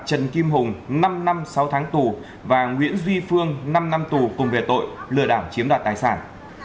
trần kim hùng năm năm sáu tháng tù và nguyễn duy phương năm năm tù cùng về tội lừa đảo chiếm đoạt tài sản